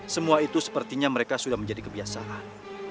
semua itu sepertinya mereka sudah menjadi kebiasaan